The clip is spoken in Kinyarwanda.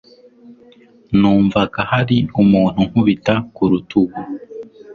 Numvaga hari umuntu unkubita ku rutugu.